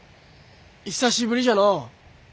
久しぶりじゃのう。